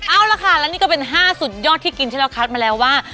เอาละค่ะและนี่ก็เป็น๕สุดยอดที่กินที่เราคัดมาแล้วว่า